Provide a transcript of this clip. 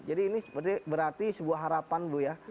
jadi ini seperti berarti sebuah harapan bu ya